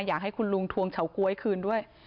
อยากให้คุณลุงทวงเฉาก๊วยคืนด้วย